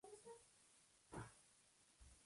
Construyó igualmente la Casa Encendida.